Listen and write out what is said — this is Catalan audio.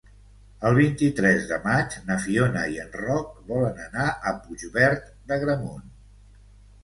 El vint-i-tres de maig na Fiona i en Roc volen anar a Puigverd d'Agramunt.